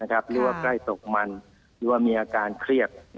หรือว่าใกล้ตกมันหรือว่ามีอาการเครียด